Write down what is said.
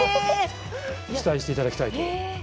期待していただきたいと思います。